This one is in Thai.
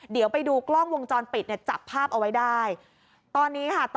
เดี๋ยวไปดูกล้องวงจรปิดจับภาพเอาไว้ได้